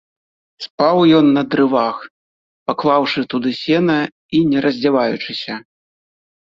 Спаў ён на дрывах, паклаўшы туды сена і не раздзяваючыся.